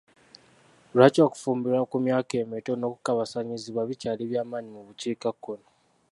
Lwaki okufumbirwa ku myaka emito n'okukabasannyizibwa bikyaali by'amaanyi mu bukiikakkono?